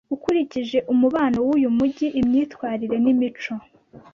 Ukurikije umubano wuyu mujyi imyitwarire nimico